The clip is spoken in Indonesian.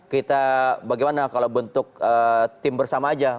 kita bagaimana kalau bentuk tim bersama aja